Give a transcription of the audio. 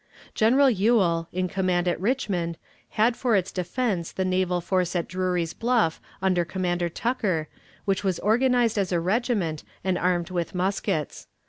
General Ewell, in command at Richmond, had for its defense the naval force at Drury's Bluff under Commander Tucker, which was organized as a regiment and armed with muskets.